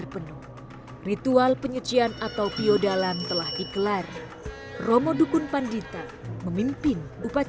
pada saat itu